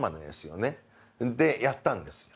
でやったんです。